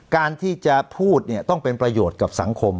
การที่จะพูดเนี่ยต้องเป็นประโยชน์กับสังคม